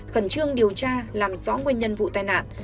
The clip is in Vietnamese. khẩn trương điều tra làm rõ nguyên nhân vụ tai nạn